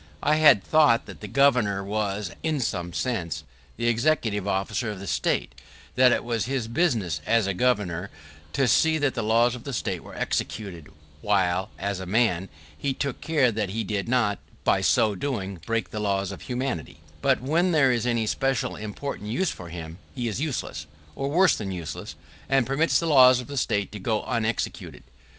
[¶8] I had thought that the Governor was, in some sense, the executive officer of the State; that it was his business, as a Governor, to see that the laws of the State were executed; while, as a man, he took care that he did not, by so doing, break the laws of humanity; but when there is any special important use for him, he is useless, or worse than useless, and permits the laws of the State to go unexecuted.